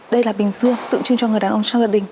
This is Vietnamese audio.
đây là bình dương tự trưng cho người đàn ông trong gia đình